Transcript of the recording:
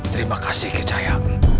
terima kasih kecahya